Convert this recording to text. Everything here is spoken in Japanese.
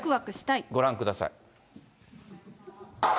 ご覧ください。